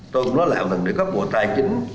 tôi cũng nói lạc lần với các bộ tài chính